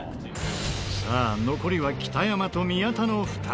さあ残りは北山と宮田の２人。